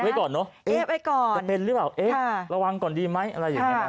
ไว้ก่อนเนอะเอ๊ะไว้ก่อนจะเป็นหรือเปล่าเอ๊ะระวังก่อนดีไหมอะไรอย่างนี้